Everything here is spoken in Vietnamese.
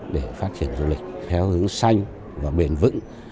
để phát triển du lịch theo hướng xanh và bền vững